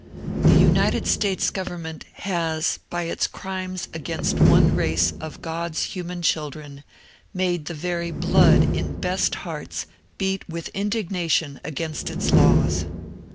The United States gov ernment has, by its crimes against one race of God's human children, made the very blood in best hearts beat with indig nation against its laws.